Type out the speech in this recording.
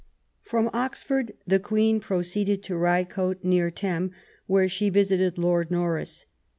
From Oxford the Queen proceeded to Rycote, near Thame, where she visited Lord Norris.